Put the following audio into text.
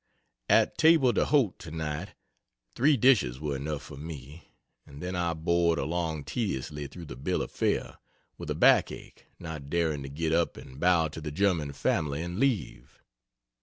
At table d'hote tonight, 3 dishes were enough for me, and then I bored along tediously through the bill of fare, with a back ache, not daring to get up and bow to the German family and leave.